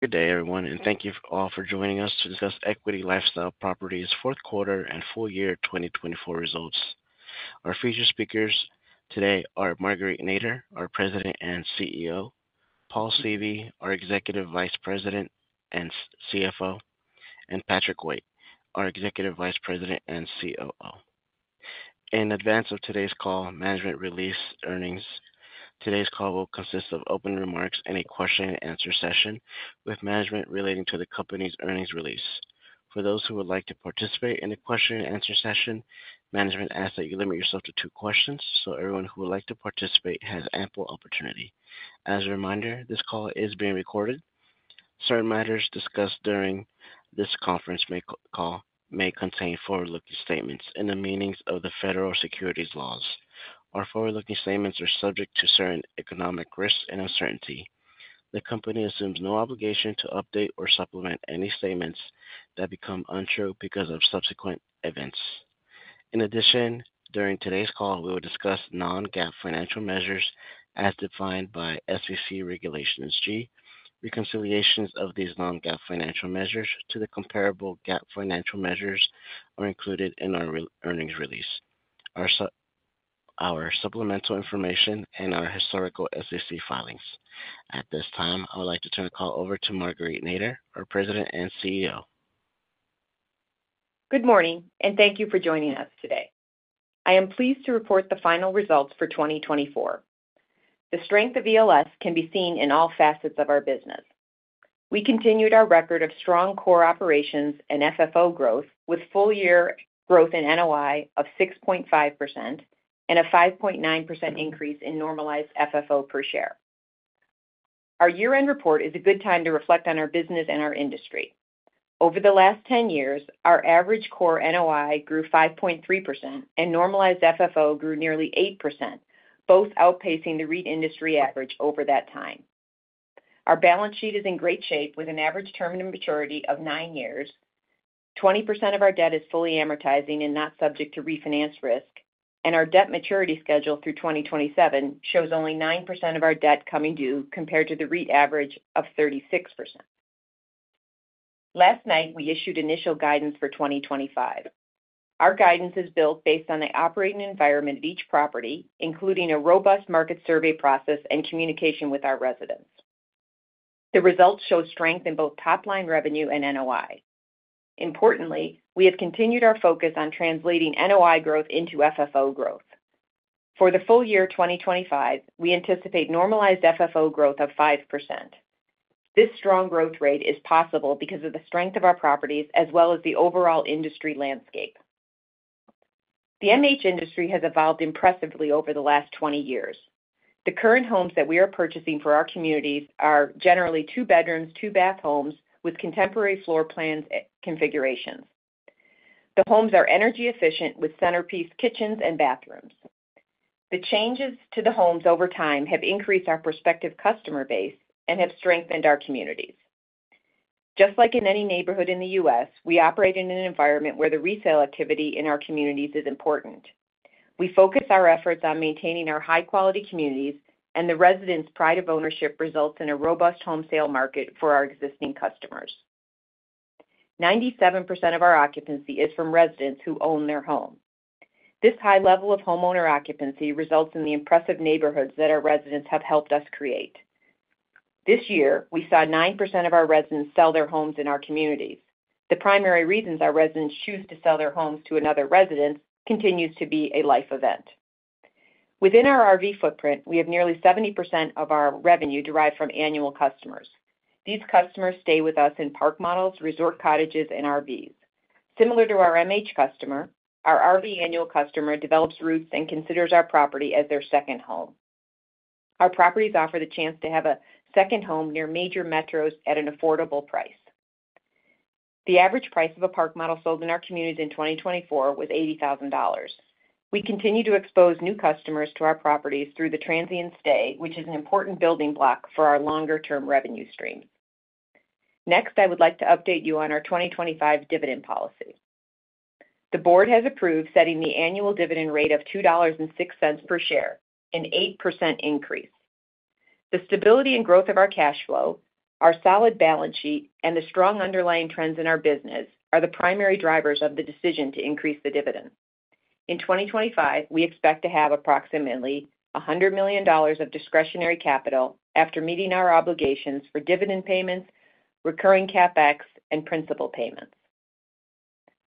Good day, everyone, and thank you all for joining us to discuss Equity LifeStyle Properties' fourth quarter and full year 2024 results. Our featured speakers today are Marguerite Nader, our President and CEO; Paul Seavey, our Executive Vice President and CFO; and Patrick Waite, our Executive Vice President and COO. In advance of today's call, management released earnings. Today's call will consist of open remarks and a question-and-answer session with management relating to the company's earnings release. For those who would like to participate in the question-and-answer session, management asked that you limit yourself to two questions, so everyone who would like to participate has ample opportunity. As a reminder, this call is being recorded. Certain matters discussed during this conference call may contain forward-looking statements in the meanings of the federal securities laws. Our forward-looking statements are subject to certain economic risks and uncertainty. The company assumes no obligation to update or supplement any statements that become untrue because of subsequent events. In addition, during today's call, we will discuss non-GAAP financial measures as defined by SEC Regulations (G). Reconciliations of these non-GAAP financial measures to the comparable GAAP financial measures are included in our earnings release, our supplemental information, and our historical SEC filings. At this time, I would like to turn the call over to Marguerite Nader, our President and CEO. Good morning, and thank you for joining us today. I am pleased to report the final results for 2024. The strength of ELS can be seen in all facets of our business. We continued our record of strong core operations and FFO growth, with full-year growth in NOI of 6.5% and a 5.9% increase in normalized FFO per share. Our year-end report is a good time to reflect on our business and our industry. Over the last 10 years, our average core NOI grew 5.3%, and normalized FFO grew nearly 8%, both outpacing the REIT industry average over that time. Our balance sheet is in great shape, with an average term to maturity of nine years. 20% of our debt is fully amortizing and not subject to refinance risk, and our debt maturity schedule through 2027 shows only 9% of our debt coming due compared to the REIT average of 36%. Last night, we issued initial guidance for 2025. Our guidance is built based on the operating environment of each property, including a robust market survey process and communication with our residents. The results show strength in both top-line revenue and NOI. Importantly, we have continued our focus on translating NOI growth into FFO growth. For the full year 2025, we anticipate normalized FFO growth of 5%. This strong growth rate is possible because of the strength of our properties as well as the overall industry landscape. The MH industry has evolved impressively over the last 20 years. The current homes that we are purchasing for our communities are generally two-bedroom, two-bath homes with contemporary floor plan configurations. The homes are energy efficient with centerpiece kitchens and bathrooms. The changes to the homes over time have increased our prospective customer base and have strengthened our communities. Just like in any neighborhood in the U.S., we operate in an environment where the resale activity in our communities is important. We focus our efforts on maintaining our high-quality communities, and the residents' pride of ownership results in a robust home sale market for our existing customers. 97% of our occupancy is from residents who own their home. This high level of homeowner occupancy results in the impressive neighborhoods that our residents have helped us create. This year, we saw 9% of our residents sell their homes in our communities. The primary reasons our residents choose to sell their homes to another resident continues to be a life event. Within our RV footprint, we have nearly 70% of our revenue derived from annual customers. These customers stay with us in park models, resort cottages, and RVs. Similar to our MH customer, our RV annual customer develops routes and considers our property as their second home. Our properties offer the chance to have a second home near major metros at an affordable price. The average price of a park model sold in our communities in 2024 was $80,000. We continue to expose new customers to our properties through the transient stay, which is an important building block for our longer-term revenue stream. Next, I would like to update you on our 2025 dividend policy. The board has approved setting the annual dividend rate of $2.06 per share, an 8% increase. The stability and growth of our cash flow, our solid balance sheet, and the strong underlying trends in our business are the primary drivers of the decision to increase the dividend. In 2025, we expect to have approximately $100 million of discretionary capital after meeting our obligations for dividend payments, recurring CapEx, and principal payments.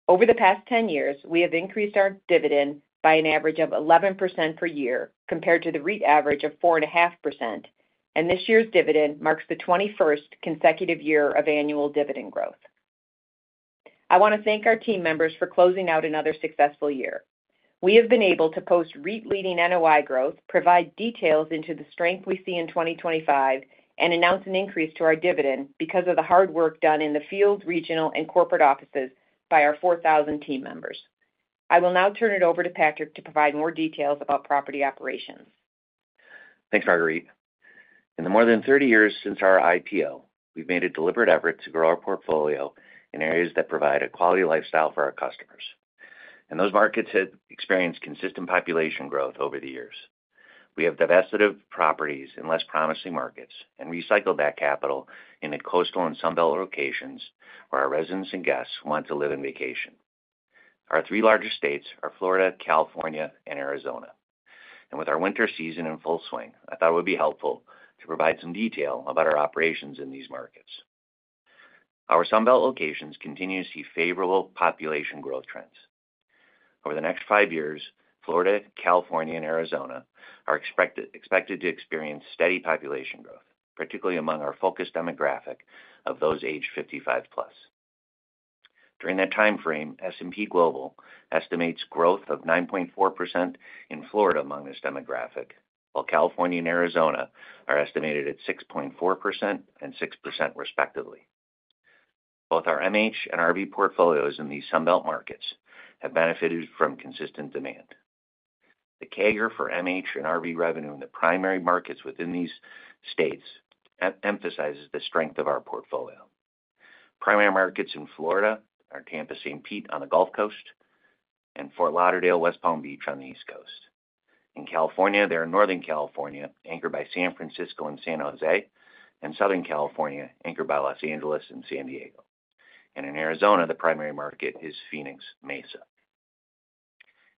Over the past 10 years, we have increased our dividend by an average of 11% per year compared to the REIT average of 4.5%, and this year's dividend marks the 21st consecutive year of annual dividend growth. I want to thank our team members for closing out another successful year. We have been able to post REIT-leading NOI growth, provide details into the strength we see in 2025, and announce an increase to our dividend because of the hard work done in the field, regional, and corporate offices by our 4,000 team members. I will now turn it over to Patrick to provide more details about property operations. Thanks, Marguerite. In the more than 30 years since our IPO, we've made a deliberate effort to grow our portfolio in areas that provide a quality lifestyle for our customers, and those markets have experienced consistent population growth over the years. We have divested of properties in less promising markets and recycled that capital into coastal and Sunbelt locations where our residents and guests want to live and vacation. Our three largest states are Florida, California, and Arizona, and with our winter season in full swing, I thought it would be helpful to provide some detail about our operations in these markets. Our Sunbelt locations continue to see favorable population growth trends. Over the next five years, Florida, California, and Arizona are expected to experience steady population growth, particularly among our focused demographic of those aged 55 plus. During that time frame, S&P Global estimates growth of 9.4% in Florida among this demographic, while California and Arizona are estimated at 6.4% and 6% respectively. Both our MH and RV portfolios in these Sunbelt markets have benefited from consistent demand. The CAGR for MH and RV revenue in the primary markets within these states emphasizes the strength of our portfolio. Primary markets in Florida are Tampa, St. Pete on the Gulf Coast and Fort Lauderdale, West Palm Beach on the East Coast. In California, there are Northern California anchored by San Francisco and San Jose, and Southern California anchored by Los Angeles and San Diego. And in Arizona, the primary market is Phoenix, Mesa.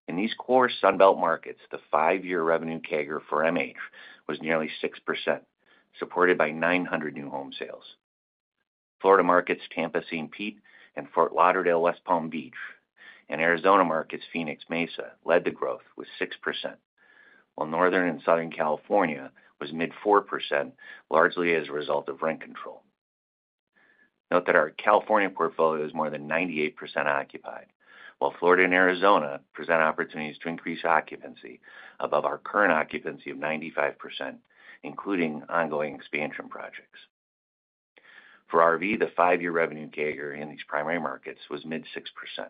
In these core Sunbelt markets, the five-year revenue CAGR for MH was nearly 6%, supported by 900 new home sales. Florida markets Tampa St. Pete and Fort Lauderdale, West Palm Beach, and Arizona markets Phoenix, Mesa led the growth with 6%, while Northern and Southern California was mid 4%, largely as a result of rent control. Note that our California portfolio is more than 98% occupied, while Florida and Arizona present opportunities to increase occupancy above our current occupancy of 95%, including ongoing expansion projects. For RV, the five-year revenue CAGR in these primary markets was mid 6%,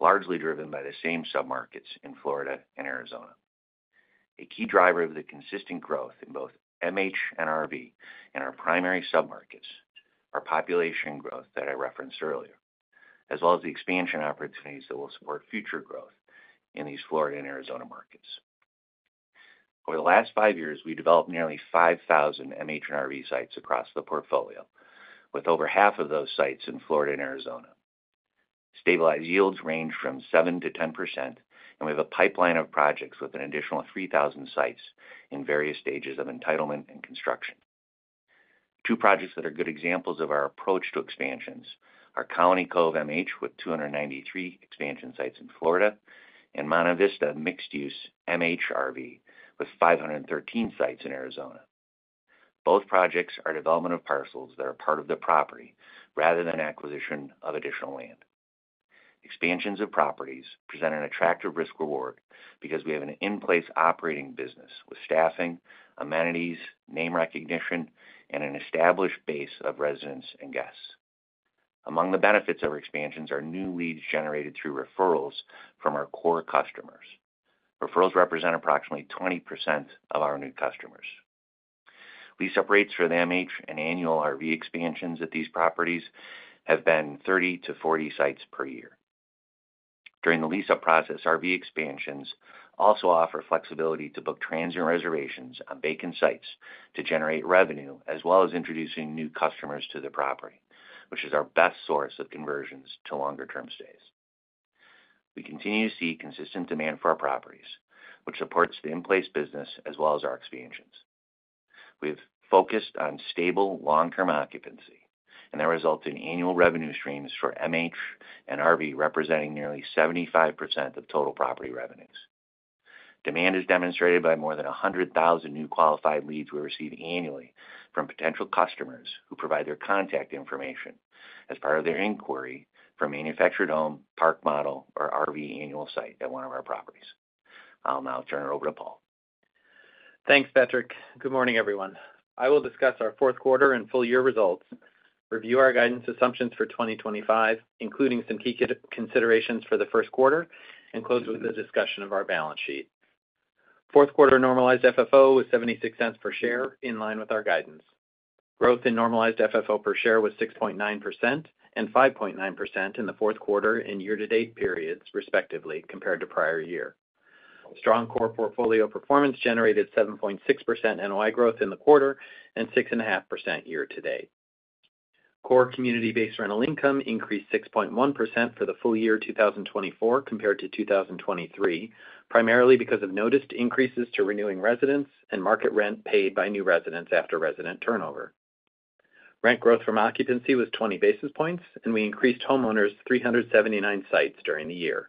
largely driven by the same submarkets in Florida and Arizona. A key driver of the consistent growth in both MH and RV and our primary submarkets is population growth that I referenced earlier, as well as the expansion opportunities that will support future growth in these Florida and Arizona markets. Over the last five years, we developed nearly 5,000 MH and RV sites across the portfolio, with over half of those sites in Florida and Arizona. Stabilized yields range from 7% to 10%, and we have a pipeline of projects with an additional 3,000 sites in various stages of entitlement and construction. Two projects that are good examples of our approach to expansions are Colony Cove MH with 293 expansion sites in Florida and Monte Vista mixed-use MH RV with 513 sites in Arizona. Both projects are development of parcels that are part of the property rather than acquisition of additional land. Expansions of properties present an attractive risk-reward because we have an in-place operating business with staffing, amenities, name recognition, and an established base of residents and guests. Among the benefits of our expansions are new leads generated through referrals from our core customers. Referrals represent approximately 20% of our new customers. Lease-up rates for the MH and annual RV expansions at these properties have been 30-40 sites per year. During the lease-up process, RV expansions also offer flexibility to book transient reservations on vacant sites to generate revenue, as well as introducing new customers to the property, which is our best source of conversions to longer-term stays. We continue to see consistent demand for our properties, which supports the in-place business as well as our expansions. We have focused on stable long-term occupancy, and that results in annual revenue streams for MH and RV representing nearly 75% of total property revenues. Demand is demonstrated by more than 100,000 new qualified leads we receive annually from potential customers who provide their contact information as part of their inquiry for manufactured home, park model, or RV annual site at one of our properties. I'll now turn it over to Paul. Thanks, Patrick. Good morning, everyone. I will discuss our fourth quarter and full-year results, review our guidance assumptions for 2025, including some key considerations for the first quarter, and close with the discussion of our balance sheet. Fourth quarter normalized FFO was $0.76 per share, in line with our guidance. Growth in normalized FFO per share was 6.9% and 5.9% in the fourth quarter and year-to-date periods, respectively, compared to prior year. Strong core portfolio performance generated 7.6% NOI growth in the quarter and 6.5% year-to-date. Core community-based rental income increased 6.1% for the full year 2024 compared to 2023, primarily because of noticed increases to renewing residents and market rent paid by new residents after resident turnover. Rent growth from occupancy was 20 basis points, and we increased homeowners 379 sites during the year.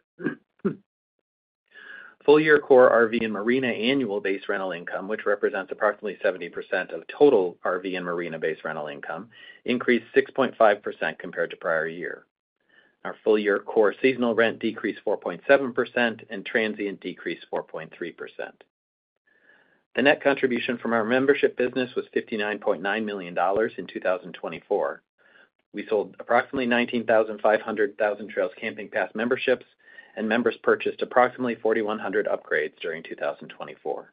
Full-year core RV and Marina annual-based rental income, which represents approximately 70% of total RV and Marina-based rental income, increased 6.5% compared to prior year. Our full-year core seasonal rent decreased 4.7% and transient decreased 4.3%. The net contribution from our membership business was $59.9 million in 2024. We sold approximately 19,500 Thousand Trails Camping Pass memberships, and members purchased approximately 4,100 upgrades during 2024.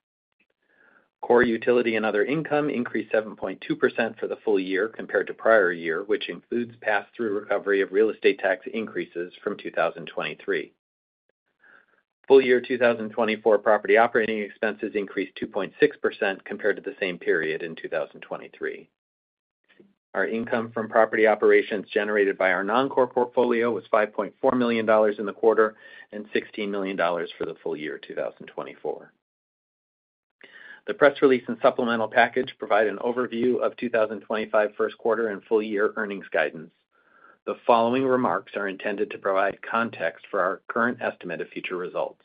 Core utility and other income increased 7.2% for the full year compared to prior year, which includes pass-through recovery of real estate tax increases from 2023. Full-year 2024 property operating expenses increased 2.6% compared to the same period in 2023. Our income from property operations generated by our non-core portfolio was $5.4 million in the quarter and $16 million for the full year 2024. The press release and supplemental package provide an overview of 2025 first quarter and full-year earnings guidance. The following remarks are intended to provide context for our current estimate of future results.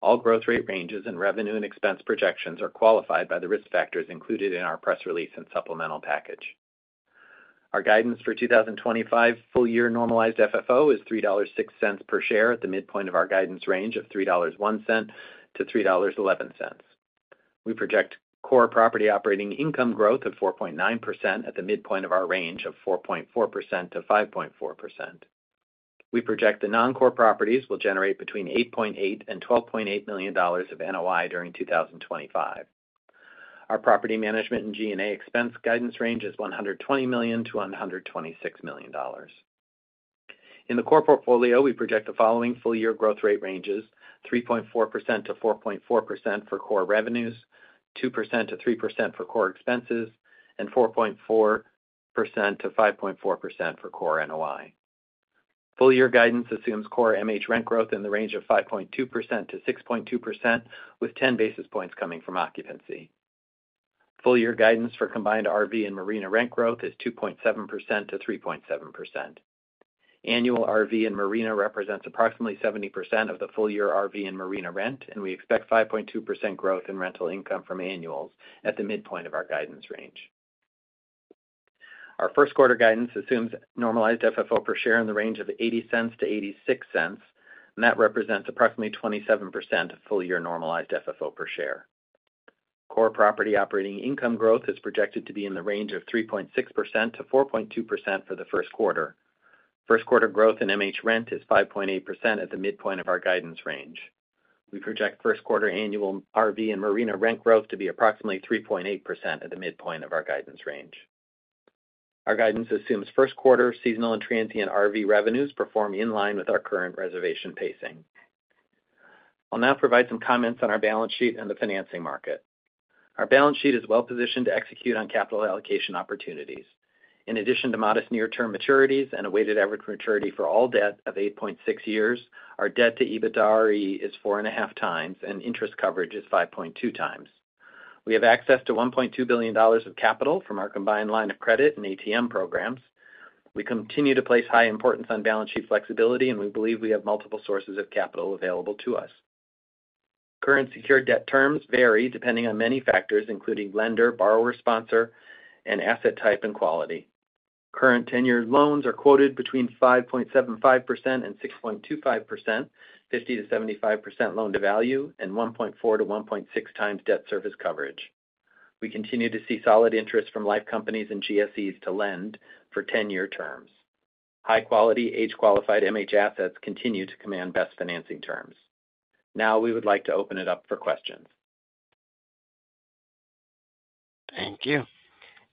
All growth rate ranges and revenue and expense projections are qualified by the risk factors included in our press release and supplemental package. Our guidance for 2025 full-year normalized FFO is $3.06 per share at the midpoint of our guidance range of $3.01-$3.11. We project core property operating income growth of 4.9% at the midpoint of our range of 4.4%-5.4%. We project the non-core properties will generate between $8.8 and $12.8 million of NOI during 2025. Our property management and G&A expense guidance range is $120-$126 million. In the core portfolio, we project the following full-year growth rate ranges: 3.4%-4.4% for core revenues, 2%-3% for core expenses, and 4.4%-5.4% for core NOI. Full-year guidance assumes core MH rent growth in the range of 5.2%-6.2%, with 10 basis points coming from occupancy. Full-year guidance for combined RV and Marina rent growth is 2.7%-3.7%. Annual RV and Marina represents approximately 70% of the full-year RV and Marina rent, and we expect 5.2% growth in rental income from annuals at the midpoint of our guidance range. Our first quarter guidance assumes normalized FFO per share in the range of $0.80-$0.86, and that represents approximately 27% of full-year normalized FFO per share. Core property operating income growth is projected to be in the range of 3.6%-4.2% for the first quarter. First quarter growth in MH rent is 5.8% at the midpoint of our guidance range. We project first quarter annual RV and Marina rent growth to be approximately 3.8% at the midpoint of our guidance range. Our guidance assumes first quarter seasonal and transient RV revenues perform in line with our current reservation pacing. I'll now provide some comments on our balance sheet and the financing market. Our balance sheet is well-positioned to execute on capital allocation opportunities. In addition to modest near-term maturities and a weighted average maturity for all debt of 8.6 years, our debt to EBITDAre is 4.5 times, and interest coverage is 5.2 times. We have access to $1.2 billion of capital from our combined line of credit and ATM programs. We continue to place high importance on balance sheet flexibility, and we believe we have multiple sources of capital available to us. Current secured debt terms vary depending on many factors, including lender, borrower sponsor, and asset type and quality. Current tenor loans are quoted between 5.75% and 6.25%, 50%-75% loan to value, and 1.4 to 1.6 times debt service coverage. We continue to see solid interest from life companies and GSEs to lend for ten-year terms. High-quality, age-qualified MH assets continue to command best financing terms. Now we would like to open it up for questions. Thank you.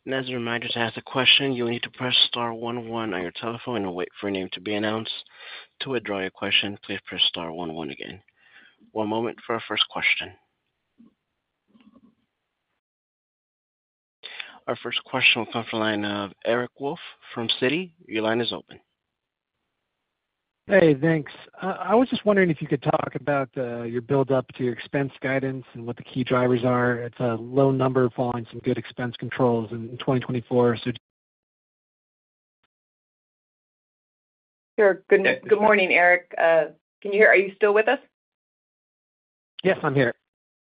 And as a reminder to ask a question, you will need to press star 11 on your telephone and wait for your name to be announced. To withdraw your question, please press star 11 again. One moment for our first question. Our first question will come from the line of Eric Wolfe from Citi. Your line is open. Hey, thanks. I was just wondering if you could talk about your build-up to your expense guidance and what the key drivers are? It's a low number following some good expense controls in 2024, so. Sure. Good morning, Eric. Can you hear? Are you still with us? Yes, I'm here.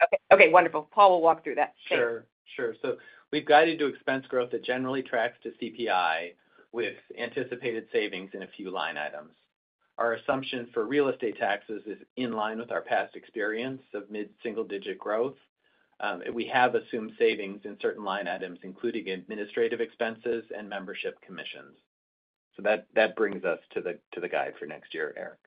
Okay. Okay. Wonderful. Paul will walk through that. Thanks. Sure. Sure. So we've guided to expense growth that generally tracks to CPI with anticipated savings in a few line items. Our assumption for real estate taxes is in line with our past experience of mid-single-digit growth. We have assumed savings in certain line items, including administrative expenses and membership commissions. So that brings us to the guide for next year, Eric.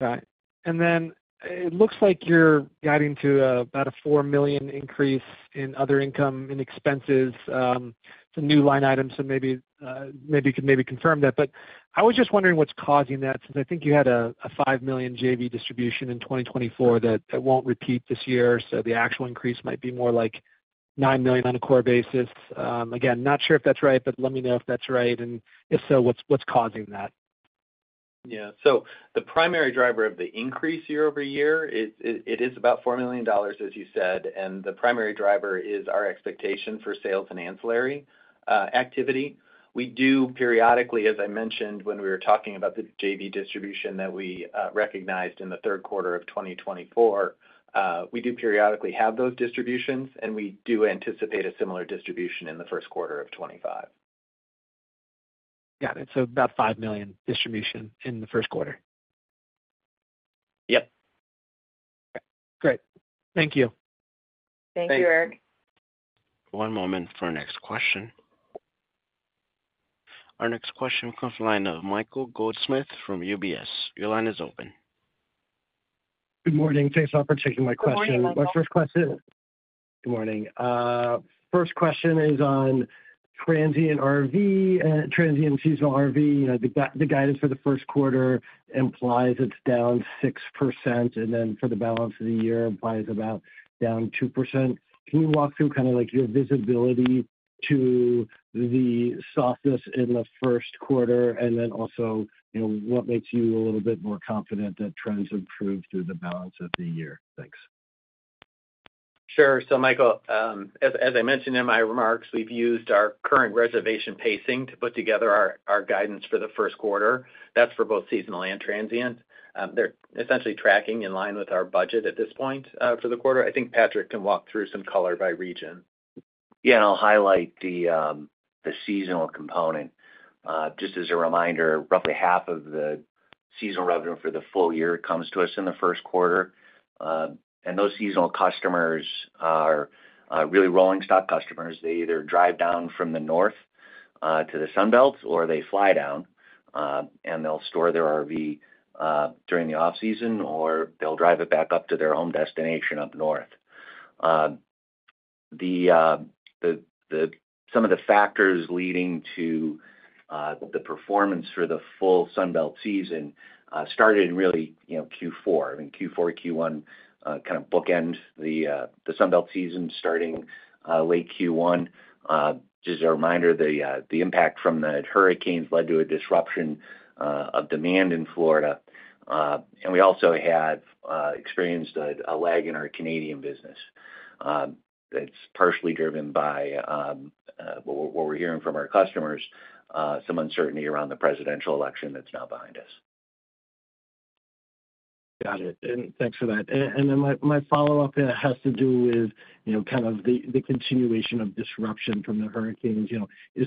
Got it. And then it looks like you're guiding to about a $4 million increase in other income and expenses. It's a new line item, so maybe you can confirm that. But I was just wondering what's causing that, since I think you had a $5 million JV distribution in 2024 that won't repeat this year. So the actual increase might be more like $9 million on a core basis. Again, not sure if that's right, but let me know if that's right. And if so, what's causing that? Yeah. So the primary driver of the increase year-over-year is about $4 million, as you said. And the primary driver is our expectation for sales and ancillary activity. We do periodically, as I mentioned when we were talking about the JV distribution that we recognized in the third quarter of 2024, we do periodically have those distributions, and we do anticipate a similar distribution in the first quarter of 2025. Got it. So about $5 million distribution in the first quarter. Yep. Okay. Great. Thank you. Thank you, Eric. One moment for our next question. Our next question comes from the line of Michael Goldsmith from UBS. Your line is open. Good morning. Thanks for taking my question. My first question. Good morning. Good morning. First question is on transient RV and transient seasonal RV. The guidance for the first quarter implies it's down 6%, and then for the balance of the year, it implies about down 2%. Can you walk through kind of your visibility to the softness in the first quarter, and then also what makes you a little bit more confident that trends improve through the balance of the year? Thanks. Sure. So Michael, as I mentioned in my remarks, we've used our current reservation pacing to put together our guidance for the first quarter. That's for both seasonal and transient. They're essentially tracking in line with our budget at this point for the quarter. I think Patrick can walk through some color by region. Yeah. And I'll highlight the seasonal component. Just as a reminder, roughly half of the seasonal revenue for the full year comes to us in the first quarter. And those seasonal customers are really rolling stock customers. They either drive down from the north to the Sunbelt or they fly down, and they'll store their RV during the off-season, or they'll drive it back up to their home destination up north. Some of the factors leading to the performance for the full Sunbelt season started in really Q4. I mean, Q4, Q1 kind of bookend the Sunbelt season starting late Q1. Just a reminder, the impact from the hurricanes led to a disruption of demand in Florida. And we also have experienced a lag in our Canadian business. It's partially driven by what we're hearing from our customers, some uncertainty around the presidential election that's now behind us. Got it. And thanks for that. And then my follow-up has to do with kind of the continuation of disruption from the hurricanes. Is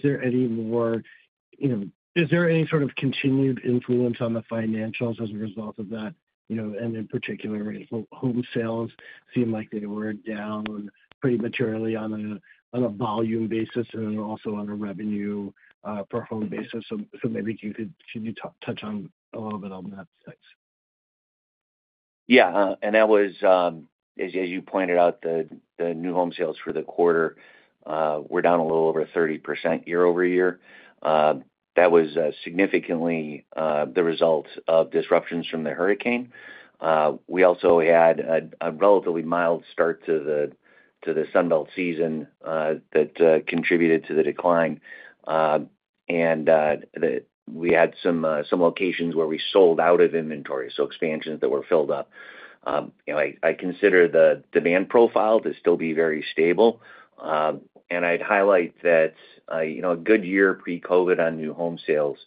there any sort of continued influence on the financials as a result of that? And in particular, rental home sales seem like they were down pretty materially on a volume basis and then also on a revenue-per-home basis. So maybe you could touch on a little bit on that. Thanks. Yeah. And that was, as you pointed out, the new home sales for the quarter. We're down a little over 30% year-over-year. That was significantly the result of disruptions from the hurricane. We also had a relatively mild start to the Sunbelt season that contributed to the decline. And we had some locations where we sold out of inventory, so expansions that were filled up. I consider the demand profile to still be very stable. And I'd highlight that a good year pre-COVID on new home sales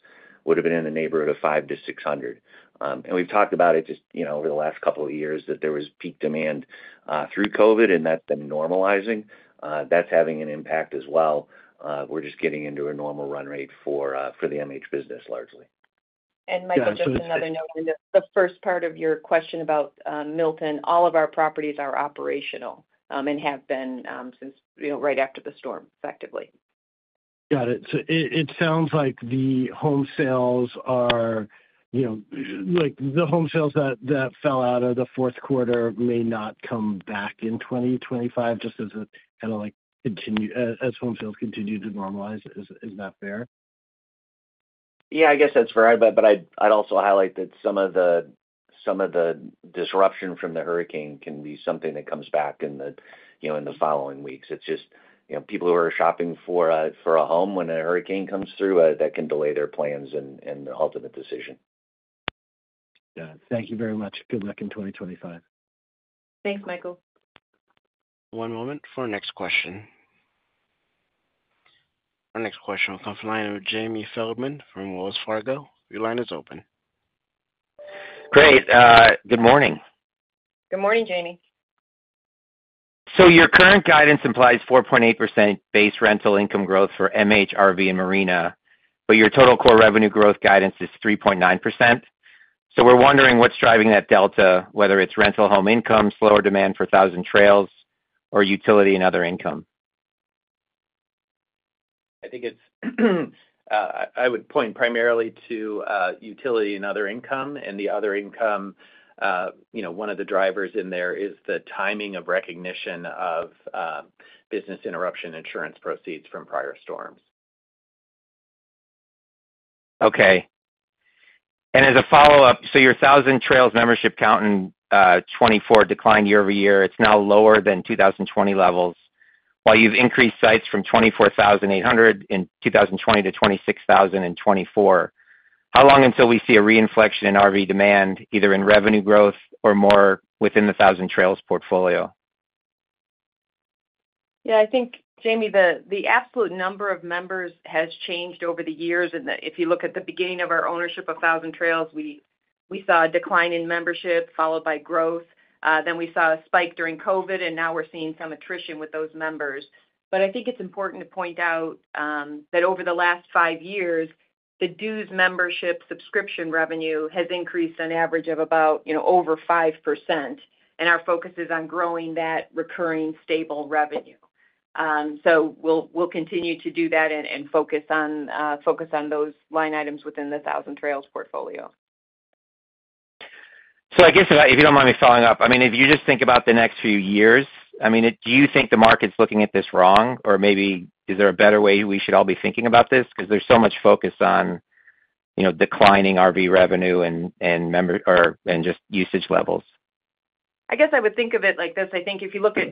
would have been in the neighborhood of $500-$600. And we've talked about it just over the last couple of years that there was peak demand through COVID, and that's been normalizing. That's having an impact as well. We're just getting into a normal run rate for the MH business largely. Michael, just another note on the first part of your question about Milton. All of our properties are operational and have been since right after the storm, effectively. Got it. So it sounds like the home sales that fell out of the fourth quarter may not come back in 2025 just as home sales continue to normalize. Is that fair? Yeah, I guess that's fair. But I'd also highlight that some of the disruption from the hurricane can be something that comes back in the following weeks. It's just people who are shopping for a home when a hurricane comes through, that can delay their plans and the ultimate decision. Yeah. Thank you very much. Good luck in 2025. Thanks, Michael. One moment for our next question. Our next question will come from the line of Jamie Feldman from Wells Fargo. Your line is open. Great. Good morning. Good morning, Jamie. So your current guidance implies 4.8% base rental income growth for MH, RV, and Marina, but your total core revenue growth guidance is 3.9%. So we're wondering what's driving that delta, whether it's rental home income, slower demand for Thousand Trails, or utility and other income? I think it's, I would point primarily to utility and other income. And the other income, one of the drivers in there is the timing of recognition of business interruption insurance proceeds from prior storms. Okay. And as a follow-up, so your Thousand Trails membership count in 2024 declined year-over-year. It's now lower than 2020 levels, while you've increased sites from 24,800 in 2020 to 26,000 in 2024. How long until we see a reinflection in RV demand, either in revenue growth or more within the Thousand Trails portfolio? Yeah. I think, Jamie, the absolute number of members has changed over the years. And if you look at the beginning of our ownership of Thousand Trails, we saw a decline in membership followed by growth. Then we saw a spike during COVID, and now we're seeing some attrition with those members. But I think it's important to point out that over the last five years, the dues membership subscription revenue has increased an average of about over 5%. And our focus is on growing that recurring stable revenue. So we'll continue to do that and focus on those line items within the Thousand Trails portfolio. So I guess if you don't mind me following up, I mean, if you just think about the next few years, I mean, do you think the market's looking at this wrong? Or maybe is there a better way we should all be thinking about this? Because there's so much focus on declining RV revenue and just usage levels. I guess I would think of it like this. I think if you look at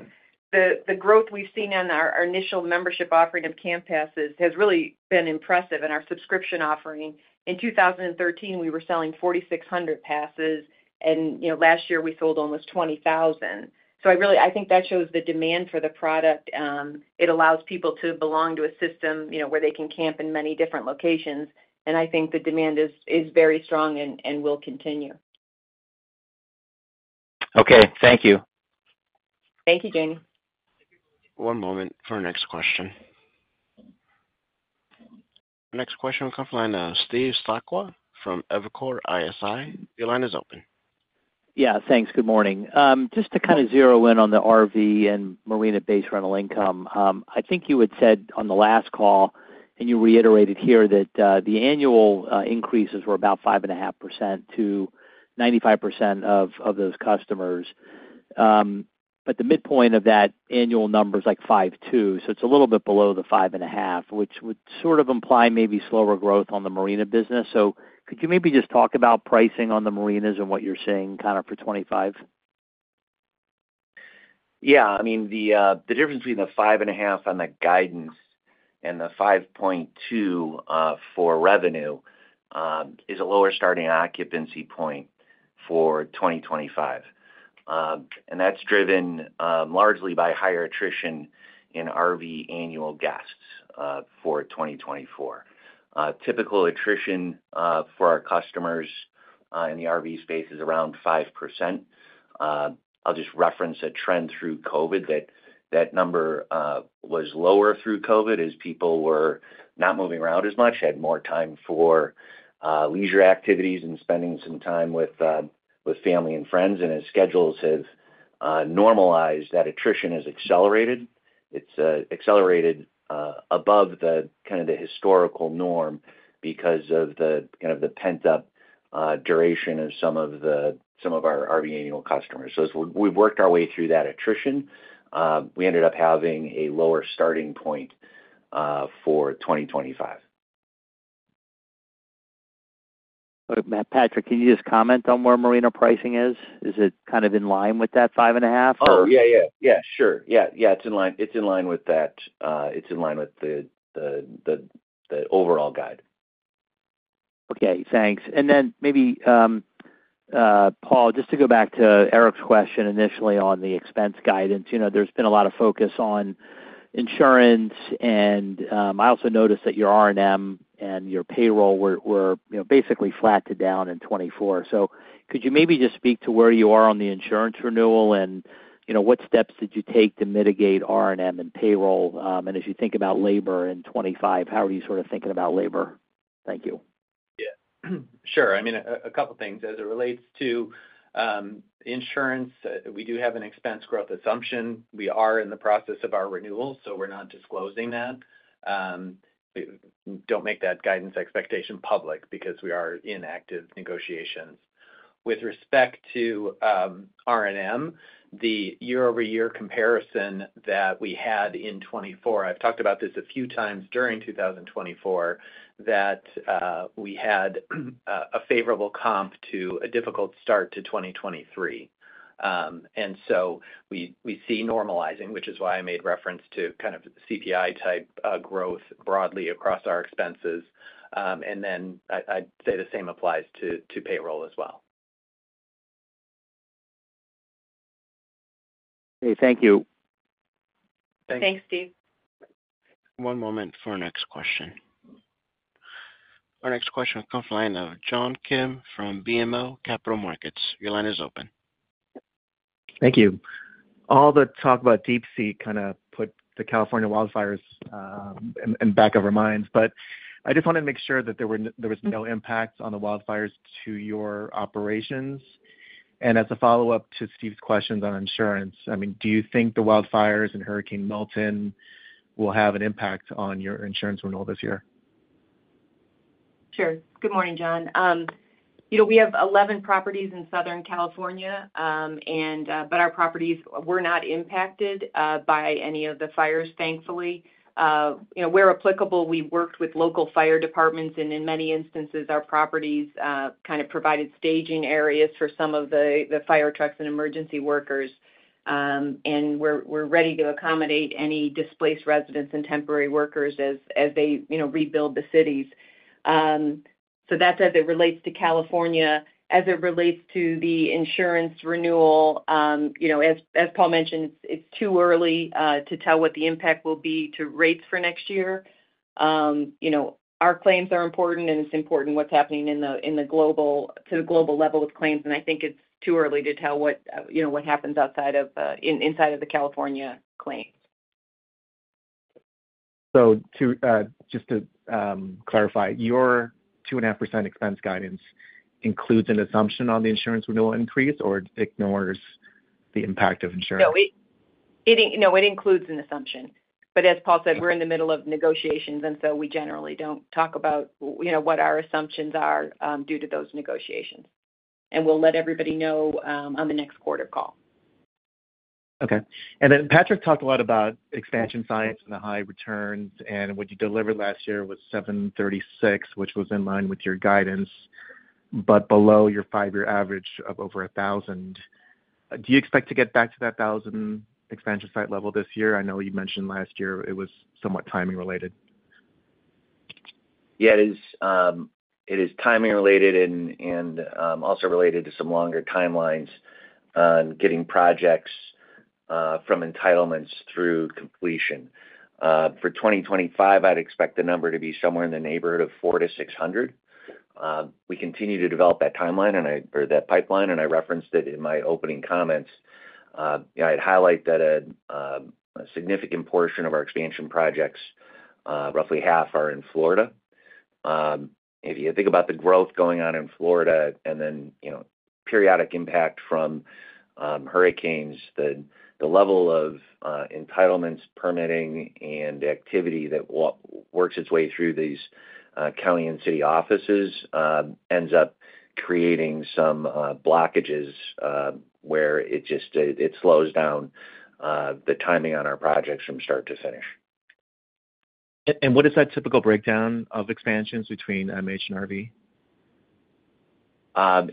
the growth we've seen in our initial membership offering of camp passes has really been impressive. In our subscription offering, in 2013, we were selling 4,600 passes. And last year, we sold almost 20,000. So I think that shows the demand for the product. It allows people to belong to a system where they can camp in many different locations. And I think the demand is very strong and will continue. Okay. Thank you. Thank you, Jamie. One moment for our next question. Next question will come from the line of Steve Sakwa from Evercore ISI. Your line is open. Yeah. Thanks. Good morning. Just to kind of zero in on the RV and Marina-based rental income, I think you had said on the last call, and you reiterated here that the annual increases were about 5.5% to 95% of those customers. But the midpoint of that annual number is like 5.2. So it's a little bit below the 5.5, which would sort of imply maybe slower growth on the Marina business. So could you maybe just talk about pricing on the Marinas and what you're seeing kind of for 2025? Yeah. I mean, the difference between the 5.5 on the guidance and the 5.2 for revenue is a lower starting occupancy point for 2025. And that's driven largely by higher attrition in RV annual guests for 2024. Typical attrition for our customers in the RV space is around 5%. I'll just reference a trend through COVID that number was lower through COVID as people were not moving around as much, had more time for leisure activities and spending some time with family and friends. And as schedules have normalized, that attrition has accelerated. It's accelerated above kind of the historical norm because of the kind of pent-up duration of some of our RV annual customers. So we've worked our way through that attrition. We ended up having a lower starting point for 2025. Patrick, can you just comment on where marina pricing is? Is it kind of in line with that 5.5? Oh, yeah, yeah. Yeah, sure. Yeah. Yeah, it's in line with that. It's in line with the overall guide. Okay. Thanks. And then maybe, Paul, just to go back to Eric's question initially on the expense guidance, there's been a lot of focus on insurance. And I also noticed that your R&M and your payroll were basically flat to down in 2024. So could you maybe just speak to where you are on the insurance renewal and what steps did you take to mitigate R&M and payroll? And as you think about labor in 2025, how are you sort of thinking about labor? Thank you. Yeah. Sure. I mean, a couple of things. As it relates to insurance, we do have an expense growth assumption. We are in the process of our renewal, so we're not disclosing that. Don't make that guidance expectation public because we are in active negotiations. With respect to R&M, the year-over-year comparison that we had in 2024, I've talked about this a few times during 2024, that we had a favorable comp to a difficult start to 2023. And so we see normalizing, which is why I made reference to kind of CPI-type growth broadly across our expenses. And then I'd say the same applies to payroll as well. Okay. Thank you. Thanks. Thanks, Steve. One moment for our next question. Our next question will come from the line of John Kim from BMO Capital Markets. Your line is open. Thank you. All the talk about DeepSeek kind of put the California wildfires in back of our minds. But I just wanted to make sure that there was no impact on the wildfires to your operations. And as a follow-up to Steve's questions on insurance, I mean, do you think the wildfires and Hurricane Milton will have an impact on your insurance renewal this year? Sure. Good morning, John. We have 11 properties in Southern California, but our properties were not impacted by any of the fires, thankfully. Where applicable, we worked with local fire departments. And in many instances, our properties kind of provided staging areas for some of the fire trucks and emergency workers. And we're ready to accommodate any displaced residents and temporary workers as they rebuild the cities. So that's as it relates to California. As it relates to the insurance renewal, as Paul mentioned, it's too early to tell what the impact will be to rates for next year. Our claims are important, and it's important what's happening to the global level with claims. And I think it's too early to tell what happens inside of the California claims. So just to clarify, your 2.5% expense guidance includes an assumption on the insurance renewal increase or ignores the impact of insurance? No, it includes an assumption, but as Paul said, we're in the middle of negotiations, and so we generally don't talk about what our assumptions are due to those negotiations, and we'll let everybody know on the next quarter call. Okay. And then Patrick talked a lot about expansion sites and the high returns. And what you delivered last year was 736, which was in line with your guidance, but below your five-year average of over 1,000. Do you expect to get back to that 1,000 expansion site level this year? I know you mentioned last year it was somewhat timing-related. Yeah, it is timing-related and also related to some longer timelines on getting projects from entitlements through completion. For 2025, I'd expect the number to be somewhere in the neighborhood of 400-600. We continue to develop that pipeline, and I referenced it in my opening comments. I'd highlight that a significant portion of our expansion projects, roughly half, are in Florida. If you think about the growth going on in Florida and then periodic impact from hurricanes, the level of entitlements, permitting, and activity that works its way through these county and city offices ends up creating some blockages where it slows down the timing on our projects from start to finish. What is that typical breakdown of expansions between MH and RV?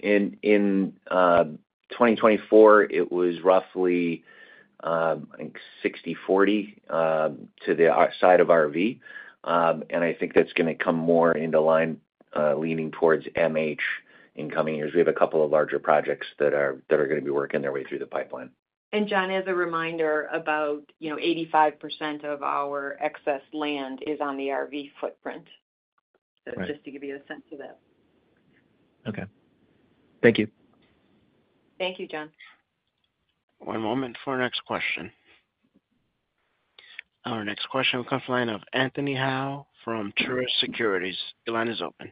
In 2024, it was roughly, I think, 60/40 to the side of RV, and I think that's going to come more into line leaning towards MH in coming years. We have a couple of larger projects that are going to be working their way through the pipeline. John, as a reminder, about 85% of our excess land is on the RV footprint, just to give you a sense of that. Okay. Thank you. Thank you, John. One moment for our next question. Our next question will come from the line of Anthony Hau from Truist Securities. Your line is open.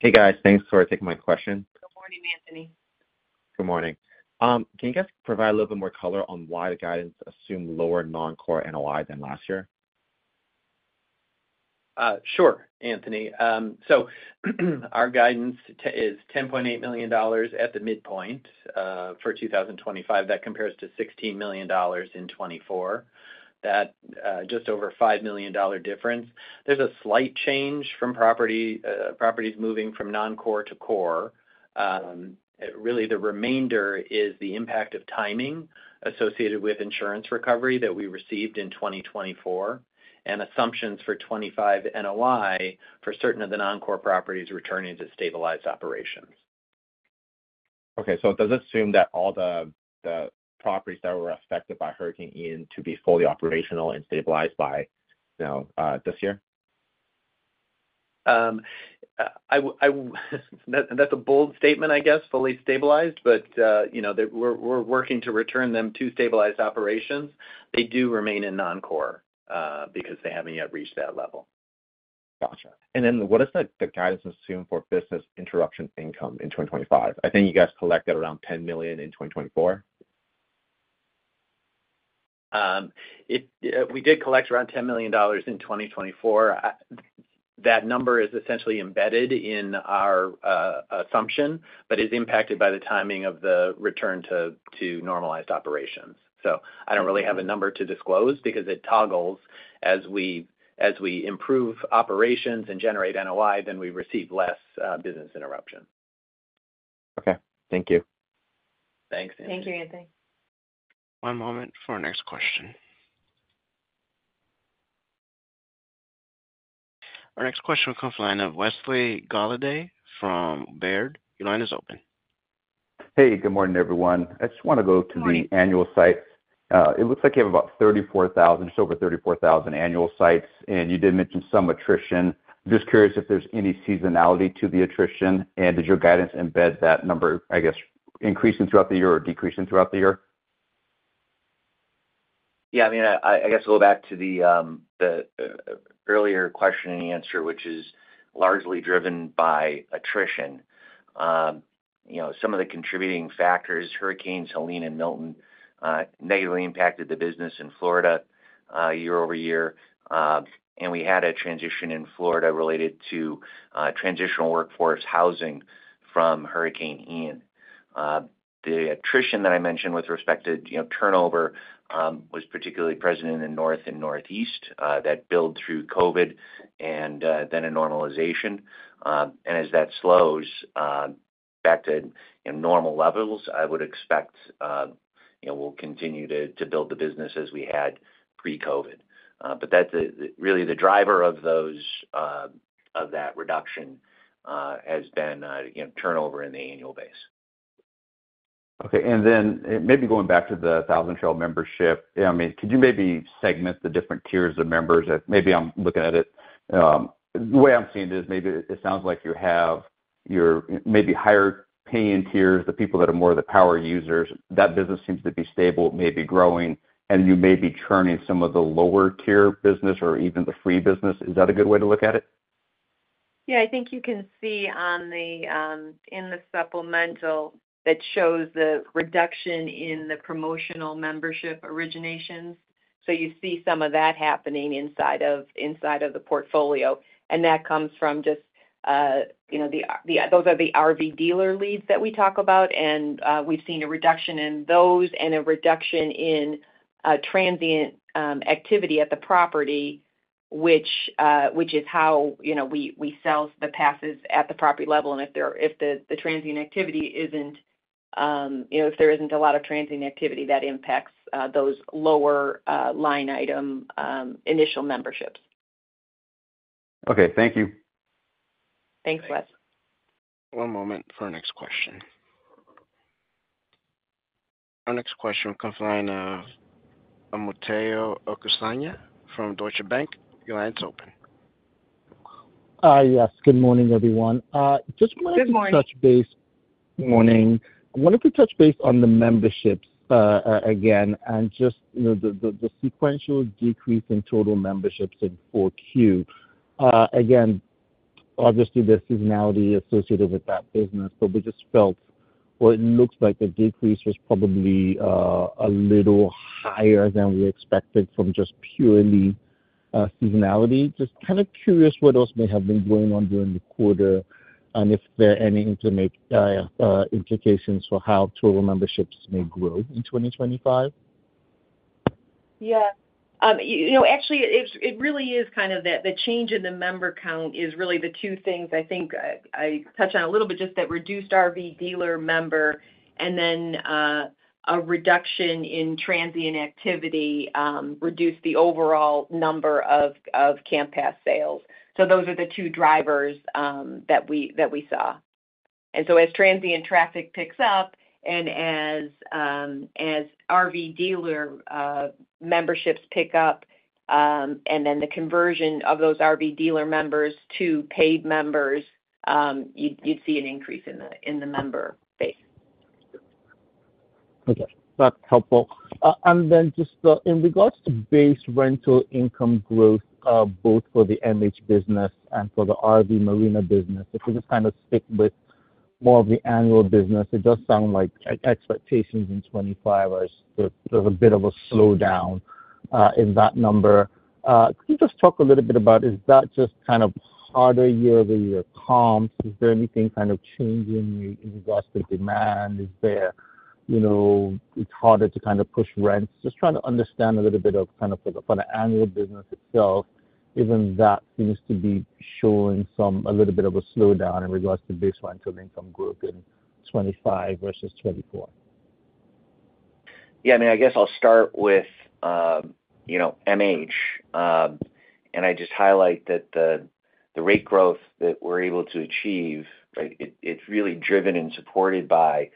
Hey, guys. Thanks for taking my question. Good morning, Anthony. Good morning. Can you guys provide a little bit more color on why the guidance assumed lower non-core NOI than last year? Sure, Anthony. So our guidance is $10.8 million at the midpoint for 2025. That compares to $16 million in 2024. That's just over a $5 million difference. There's a slight change from properties moving from non-core to core. Really, the remainder is the impact of timing associated with insurance recovery that we received in 2024 and assumptions for 2025 NOI for certain of the non-core properties returning to stabilized operations. Okay. So it does assume that all the properties that were affected by Hurricane Ian to be fully operational and stabilized by this year? That's a bold statement, I guess. Fully stabilized, but we're working to return them to stabilized operations. They do remain in non-core because they haven't yet reached that level. Gotcha. And then what does the guidance assume for business interruption income in 2025? I think you guys collected around $10 million in 2024. We did collect around $10 million in 2024. That number is essentially embedded in our assumption, but it's impacted by the timing of the return to normalized operations. So I don't really have a number to disclose because it toggles. As we improve operations and generate NOI, then we receive less business interruption. Okay. Thank you. Thanks, Anthony. Thank you, Anthony. One moment for our next question. Our next question will come from the line of Wesley Golladay from Baird. Your line is open. Hey, good morning, everyone. I just want to go to the annual sites. It looks like you have about 34,000, just over 34,000 annual sites. And you did mention some attrition. I'm just curious if there's any seasonality to the attrition. And did your guidance embed that number, I guess, increasing throughout the year or decreasing throughout the year? Yeah. I mean, I guess go back to the earlier question and answer, which is largely driven by attrition. Some of the contributing factors, Hurricanes Helene and Milton, negatively impacted the business in Florida year-over-year. And we had a transition in Florida related to transitional workforce housing from Hurricane Ian. The attrition that I mentioned with respect to turnover was particularly present in the north and northeast that built through COVID and then a normalization. And as that slows back to normal levels, I would expect we'll continue to build the business as we had pre-COVID. But really, the driver of that reduction has been turnover in the annual base. Okay. And then maybe going back to the Thousand Trails membership, I mean, could you maybe segment the different tiers of members? Maybe I'm looking at it. The way I'm seeing it is maybe it sounds like you have your maybe higher-paying tiers, the people that are more of the power users. That business seems to be stable, maybe growing, and you may be churning some of the lower-tier business or even the free business. Is that a good way to look at it? Yeah. I think you can see in the supplemental that shows the reduction in the promotional membership originations. So you see some of that happening inside of the portfolio. And that comes from just those are the RV dealer leads that we talk about. And we've seen a reduction in those and a reduction in transient activity at the property, which is how we sell the passes at the property level. And if there isn't a lot of transient activity, that impacts those lower line item initial memberships. Okay. Thank you. Thanks, Wes. One moment for our next question. Our next question will come from the line of Omotayo Okusanya from Deutsche Bank. Your line is open. Yes. Good morning, everyone. Just wanted to touch base. Good morning. Morning. I wanted to touch base on the memberships again and just the sequential decrease in total memberships in 4Q. Again, obviously, there's seasonality associated with that business, but we just felt or it looks like the decrease was probably a little higher than we expected from just purely seasonality. Just kind of curious what else may have been going on during the quarter and if there are any implications for how total memberships may grow in 2025. Yeah. Actually, it really is kind of that the change in the member count is really the two things I think I touched on a little bit, just that reduced RV dealer member and then a reduction in transient activity reduced the overall number of camp pass sales. So those are the two drivers that we saw. And so as transient traffic picks up and as RV dealer memberships pick up and then the conversion of those RV dealer members to paid members, you'd see an increase in the member base. Okay. That's helpful, and then just in regards to base rental income growth, both for the MH business and for the RV Marina business, if we just kind of stick with more of the annual business, it does sound like expectations in 2025 are there's a bit of a slowdown in that number. Could you just talk a little bit about is that just kind of harder year-over-year comps? Is there anything kind of changing in regards to demand? Is it harder to kind of push rents? Just trying to understand a little bit of kind of for the annual business itself, even that seems to be showing a little bit of a slowdown in regards to base rental income growth in 2025 versus 2024. Yeah. I mean, I guess I'll start with MH. And I just highlight that the rate growth that we're able to achieve, it's really driven and supported by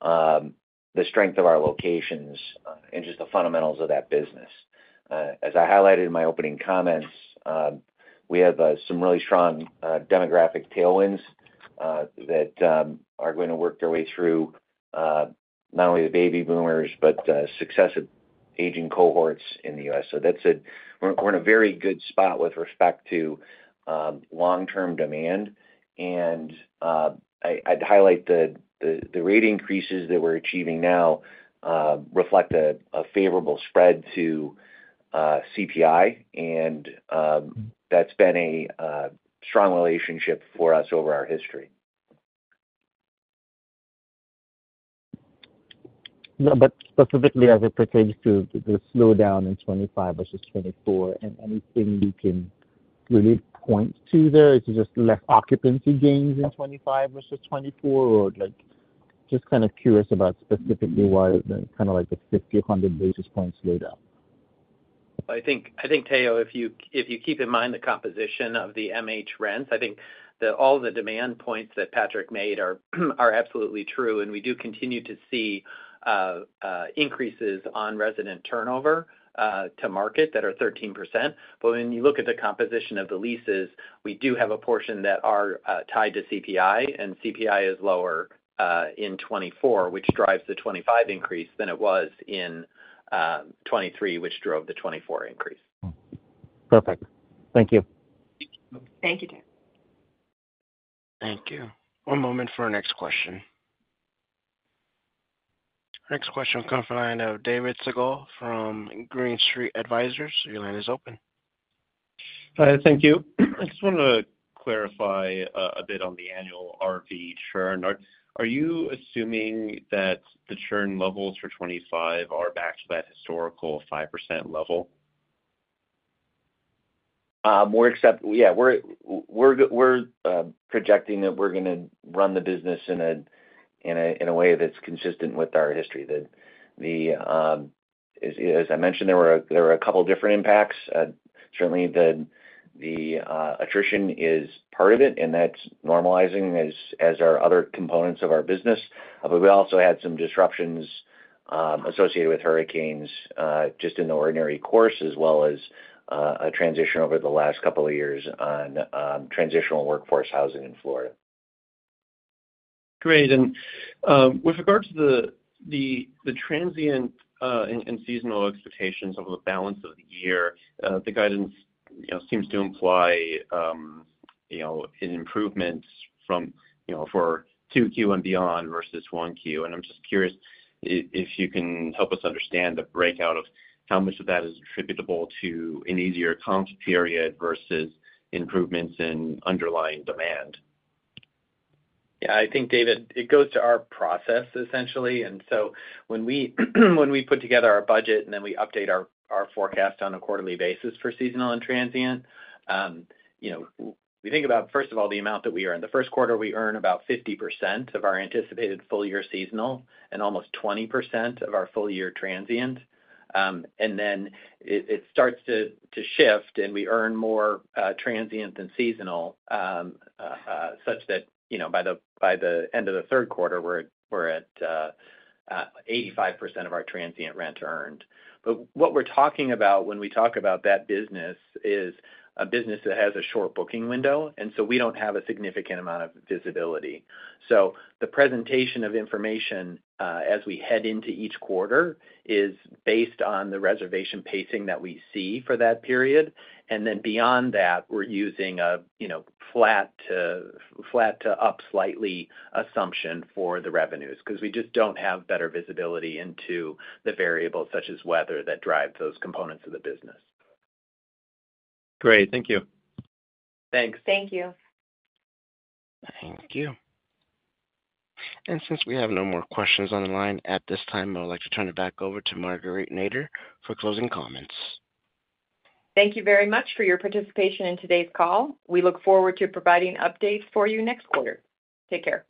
the strength of our locations and just the fundamentals of that business. As I highlighted in my opening comments, we have some really strong demographic tailwinds that are going to work their way through not only the baby boomers but successive aging cohorts in the U.S. So we're in a very good spot with respect to long-term demand. And I'd highlight the rate increases that we're achieving now reflect a favorable spread to CPI. And that's been a strong relationship for us over our history. But specifically, as it pertains to the slowdown in 2025 versus 2024, and anything you can really point to there? Is it just less occupancy gains in 2025 versus 2024? Or just kind of curious about specifically why kind of like the 50, 100 basis points slowdown? I think, Tao, if you keep in mind the composition of the MH rents, I think all the demand points that Patrick made are absolutely true. And we do continue to see increases on resident turnover to market that are 13%. But when you look at the composition of the leases, we do have a portion that are tied to CPI. And CPI is lower in 2024, which drives the 2025 increase than it was in 2023, which drove the 2024 increase. Perfect. Thank you. Thank you, Tao. Thank you. One moment for our next question. Our next question will come from the line of David Segall from Green Street Advisors. Your line is open. Hi. Thank you. I just want to clarify a bit on the annual RV churn. Are you assuming that the churn levels for 2025 are back to that historical 5% level? Yeah. We're projecting that we're going to run the business in a way that's consistent with our history. As I mentioned, there were a couple of different impacts. Certainly, the attrition is part of it, and that's normalizing as are other components of our business. But we also had some disruptions associated with hurricanes just in the ordinary course, as well as a transition over the last couple of years on transitional workforce housing in Florida. Great. And with regards to the transient and seasonal expectations over the balance of the year, the guidance seems to imply an improvement for 2Q and beyond versus 1Q. And I'm just curious if you can help us understand the breakout of how much of that is attributable to an easier comp period versus improvements in underlying demand? Yeah. I think, David, it goes to our process, essentially. And so when we put together our budget and then we update our forecast on a quarterly basis for seasonal and transient, we think about, first of all, the amount that we earn. The first quarter, we earn about 50% of our anticipated full-year seasonal and almost 20% of our full-year transient. And then it starts to shift, and we earn more transient than seasonal such that by the end of the third quarter, we're at 85% of our transient rent earned. But what we're talking about when we talk about that business is a business that has a short booking window. And so we don't have a significant amount of visibility. So the presentation of information as we head into each quarter is based on the reservation pacing that we see for that period. Then beyond that, we're using a flat to up slightly assumption for the revenues because we just don't have better visibility into the variables such as weather that drive those components of the business. Great. Thank you. Thanks. Thank you. Thank you. And since we have no more questions on the line at this time, I would like to turn it back over to Marguerite Nader for closing comments. Thank you very much for your participation in today's call. We look forward to providing updates for you next quarter. Take care.